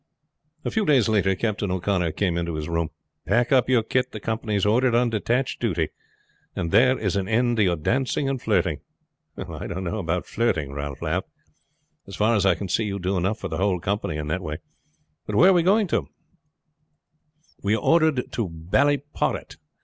A few days later Captain O'Connor came into his room. "Pack up your kit. The company is ordered on detached duty, and there is an end to your dancing and flirting." "I don't know about flirting," Ralph laughed. "As far as I can see you do enough for the whole company in that way. But where are we going to?" "We are ordered to Ballyporrit.